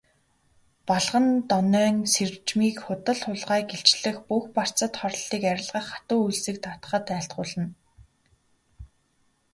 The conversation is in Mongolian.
Балгандонойн сэржмийг худал хулгайг илчлэх, бүх барцад хорлолыг арилгах, хатуу үйлсийг даатгахад айлтгуулна.